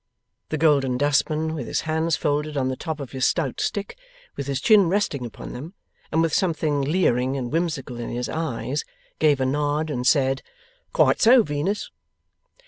The Golden Dustman, with his hands folded on the top of his stout stick, with his chin resting upon them, and with something leering and whimsical in his eyes, gave a nod, and said, 'Quite so, Venus.